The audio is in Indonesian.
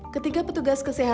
ketiga petugas keseluruhan